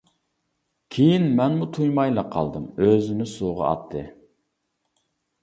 كېيىن مەنمۇ تۇيمايلا قالدىم، ئۆزىنى سۇغا ئاتتى.